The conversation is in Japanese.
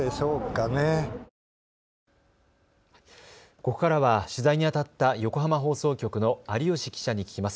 ここからは取材にあたった横浜放送局の有吉記者に聞きます。